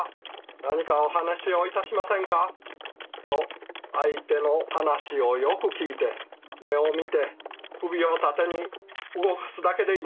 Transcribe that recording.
「何かお話をいたしませんか？」と相手の話をよく聞いて目を見て首を縦に動かすだけでいいんです。